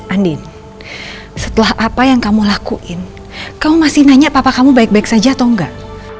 andin setelah apa yang kamu lakuin kamu masih nanya papa kamu baik baik saja atau enggak